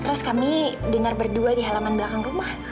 terus kami dengar berdua di halaman belakang rumah